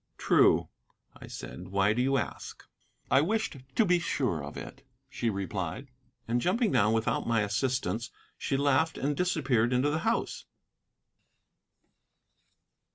"True," I said; "why do you ask?" "I wished to be sure of it," she replied. And jumping down without my assistance, she laughed and disappeared into the house.